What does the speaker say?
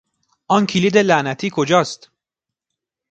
آن کلید لعنتی کجاست؟